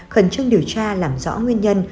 khẩn trương điều tra làm rõ nguyên nhân